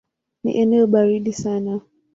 Ni eneo baridi sana.